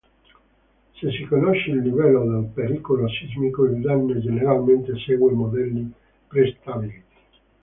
Se si conosce il livello del pericolo sismico, il danno generalmente segue modelli prestabiliti.